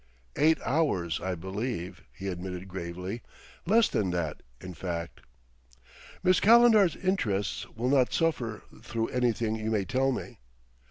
"Eight hours, I believe," he admitted gravely; "less than that, in fact." "Miss Calendar's interests will not suffer through anything you may tell me."